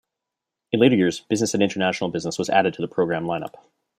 In later years, Business and International Business was added to the program line-up.